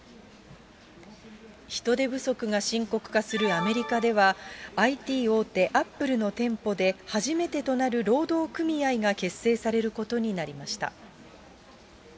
人手不足が深刻化するアメリカでは、ＩＴ大手、アップルの店舗で、初めてとなる労働組合が結成されることになりました。